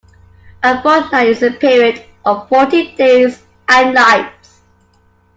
A fortnight is a period of fourteen days and nights